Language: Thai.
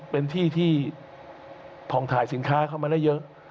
เป็นที่ที่ผ่องถ่ายสินค้าเข้ามาได้เยอะ